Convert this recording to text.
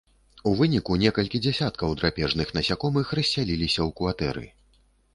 У выніку некалькі дзясяткаў драпежных насякомых рассялілася ў кватэры.